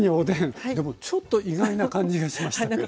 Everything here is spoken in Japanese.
でもちょっと意外な感じがしました。